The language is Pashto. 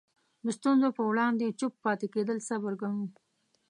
د ستونزو په وړاندې چوپ پاتې کېدل صبر ګڼو.